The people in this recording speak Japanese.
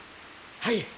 はい。